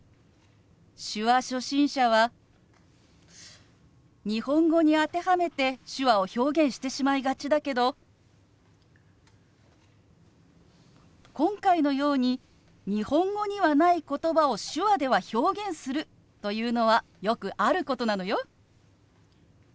手話初心者は日本語に当てはめて手話を表現してしまいがちだけど今回のように日本語にはない言葉を手話では表現するというのはよくあることなのよ。